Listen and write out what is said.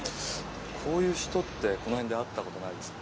こういう人ってこの辺で会った事ないですか？